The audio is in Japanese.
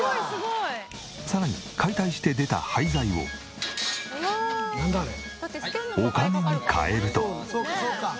さらに解体して出た廃材をお金に換えると。